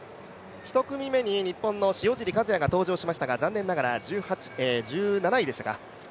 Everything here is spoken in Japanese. １組目に日本の塩尻和也が登場しましたが残念ながら１７位でしたか。